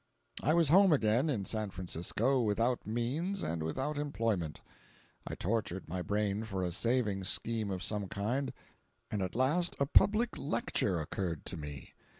I was home again, in San Francisco, without means and without employment. I tortured my brain for a saving scheme of some kind, and at last a public lecture occurred to me!